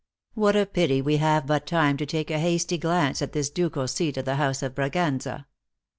What a pity we have but time to take a hasty glance at this ducal seat of the house of Braganza.